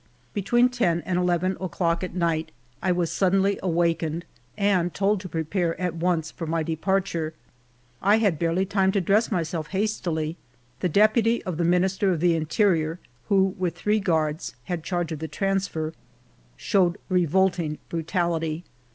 Between ten and eleven o'clock at night I was suddenly awakened and told to prepare at once for my departure. I had barely time to dress myself hastily. The deputy of the Minister of the Interior, who, with three guards, had charge of the transfer, showed revolting brutality.